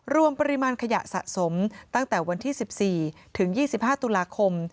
รวมปริมาณขยะสะสมตั้งแต่วันที่๑๔ถึง๒๕ตุลาคม